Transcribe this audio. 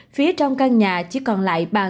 phía trong căn nhà chỉ còn lại bà nguyễn